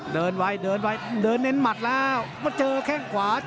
เดินไว้เดินเน้นหมดยัง